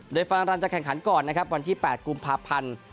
โดยฟางรันจะแข่งขันก่อนนะครับวันที่๘กุมภาพันธ์